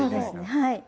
はい。